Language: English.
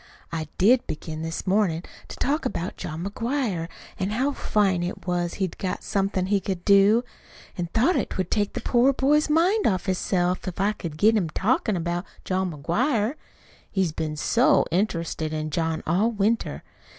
I did begin this mornin' to talk about John McGuire an' how fine it was he'd got somethin' he could do. I thought't would take the poor boy's mind off hisself, if I could get him talkin' about John McGuire he's been SO interested in John all winter!